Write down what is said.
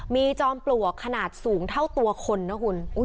มีจอมปลวกขนาดสูงเท่าตัวคนนะคุณ